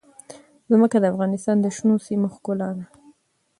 ځمکه د افغانستان د شنو سیمو ښکلا ده.